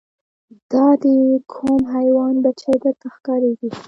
دا د کوم حیوان بچی درته ښکاریږي